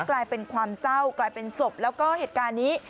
กลายเป็นความเศร้ากลายเป็นศพแล้วก็เหตุการณ์นี้